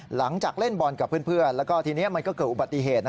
หลังจากเล่นบอลกับเพื่อนแล้วก็ทีนี้มันก็เกิดอุบัติเหตุ